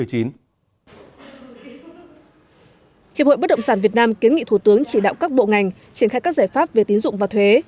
hiệp hội bất động sản việt nam kiến nghị thủ tướng chỉ đạo các bộ ngành triển khai các giải pháp về tín dụng và thuế